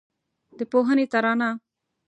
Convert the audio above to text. د پوهنې ترانه